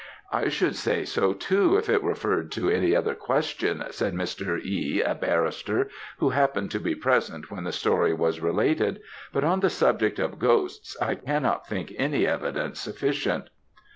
"I should say so, too, if it referred to any other question," said Mr. E., a barrister, who happened to be present when the story was related; "but on the subject of ghosts I cannot think any evidence sufficient."